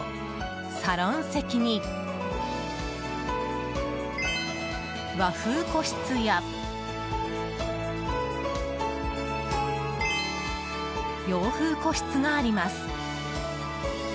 サロン席に和風個室や洋風個室があります。